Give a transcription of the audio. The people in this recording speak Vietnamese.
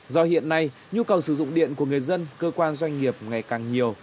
do hiện nay nhu cầu sử dụng điện của người dân cơ quan doanh nghiệp ngày càng nhiều